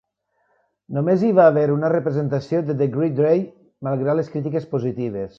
Només hi va haver una representació de "The Great Day", malgrat les crítiques positives.